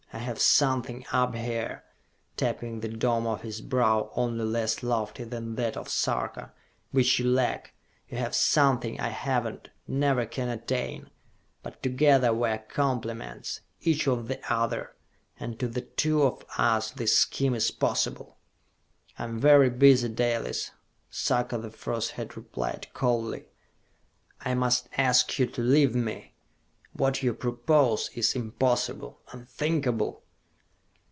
I have something up here," tapping the dome of his brow, only less lofty than that of Sarka, "which you lack. You have something I have not, never can attain! But together we are complements, each of the other, and to the two of us this scheme is possible!" "I am very busy, Dalis," Sarka the First had replied coldly. "I must ask you to leave me! What you propose is impossible, unthinkable!"